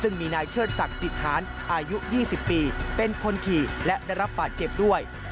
ซึ่งมีนายเชิดศักดิ์จิตหารอายุ๒๐ปีเป็นคนขี่และได้รับบาดเจ็บด้วย